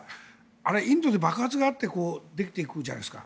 あれ、インドで爆発が起きて広がっていくじゃないですか。